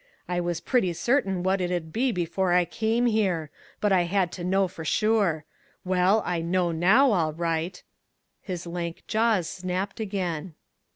I was pretty certain what it 'ud be before I came here, but I had to know for sure. Well, I know now, all right!" His lank jaws snapped again.